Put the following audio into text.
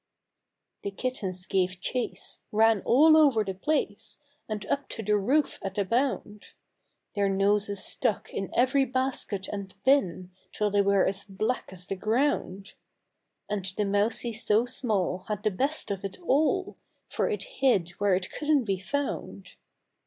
The kittens gave chase — ran all over the place, And up to the roof at a bound, Their noses stuck in every basket and bin, Till they were as black as the ground ; And the mousie so small Had the best of it all, For it hid where it couldn't be found.